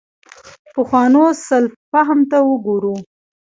پخوانو سلف فهم ته وګورو.